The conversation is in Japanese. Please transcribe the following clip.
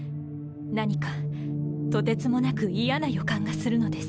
何かとてつもなく嫌な予感がするのです。